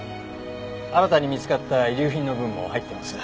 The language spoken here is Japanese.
新たに見つかった遺留品の分も入ってます。